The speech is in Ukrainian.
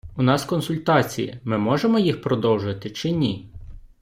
У нас консультації, ми можемо їх продовжити чи ні?